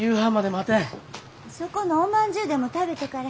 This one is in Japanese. そこのおまんじゅうでも食べとかれ。